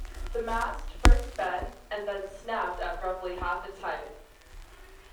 The mast first bent and then snapped at roughly half its height.